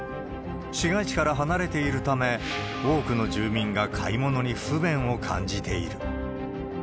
市街地から離れているため、多くの住民が買い物に不便を感じている。